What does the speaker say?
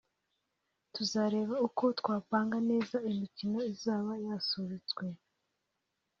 tuzareba uko twapanga neza imikino izaba yasubitswe